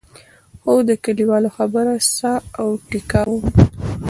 خو د کلیوالو خبره ساه او ټیکا وم.